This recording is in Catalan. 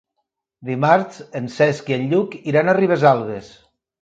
Dimarts en Cesc i en Lluc iran a Ribesalbes.